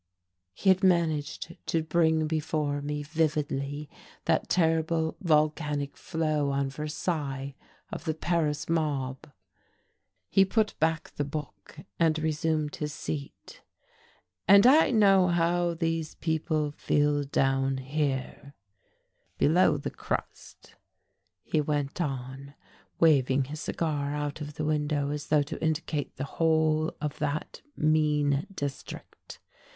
He had managed to bring before me vividly that terrible, volcanic flow on Versailles of the Paris mob. He put back the book and resumed his seat. "And I know how these people fed down here, below the crust," he went on, waving his cigar out of the window, as though to indicate the whole of that mean district.